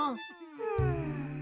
うん。